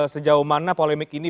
sejauh mana polemik ini